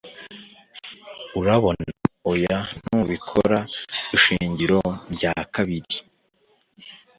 Urabona (oya ntubikora) ishingiro rya kabiri